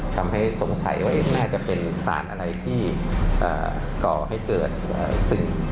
ทำให้สงสัยว่าน่าจะเป็นสารอะไรที่ก่อให้เกิดสิ่ง